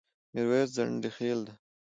ميرويس ځنډيخيل ډه